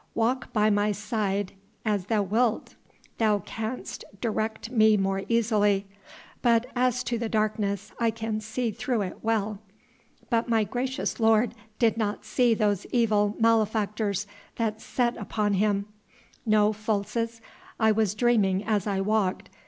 "Walk by my side an thou wilt. Thou canst direct me more easily; but as to the darkness I can see through it well." "But my gracious lord did not see those evil malefactors that set upon him." "No, Folces, I was dreaming as I walked.